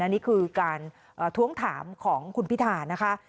อันนี้คือการทวงถามของคุณพิธานะคะ